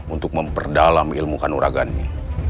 untuk memperdalam ilmu kanuragannya